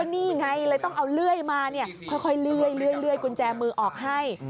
นี่ไงเลยต้องเอาเลื่อยมาค่อยเลื่อยกุญแจมือออกให้